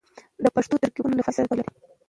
د پښتو ترکيبونه له فارسي سره توپير لري.